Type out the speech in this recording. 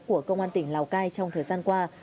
của công an tỉnh lào cai trong thời gian qua